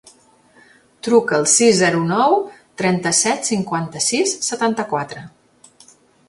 Truca al sis, zero, nou, trenta-set, cinquanta-sis, setanta-quatre.